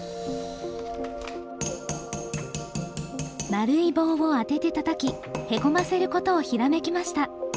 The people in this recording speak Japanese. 丸い棒を当ててたたきへこませることをひらめきました！